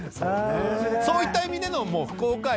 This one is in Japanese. そういった意味での福岡愛。